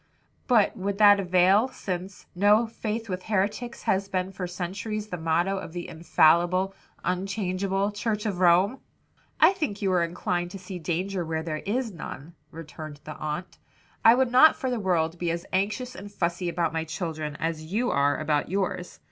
"But would that avail, since, 'No faith with heretics,' has been for centuries the motto of the 'infallible, unchangeable,' Church of Rome?" "I think you are inclined to see danger where there is none," returned the aunt. "I would not for the world be as anxious and fussy about my children as you are about yours.